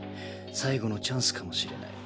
最後のチャンスかもしれない。